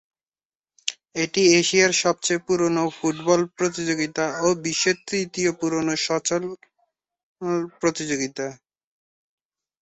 এটি এশিয়ার সবচেয়ে পুরোনো ফুটবল প্রতিযোগিতা ও বিশ্বের তৃতীয় পুরোনো ও সচল প্রতিযোগিতা।